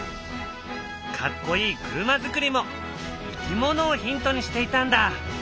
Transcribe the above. かっこいい車づくりもいきものをヒントにしていたんだ。